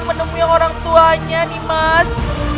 menemui orang tuanya nih mas